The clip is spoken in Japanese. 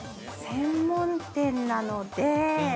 ◆専門店なので。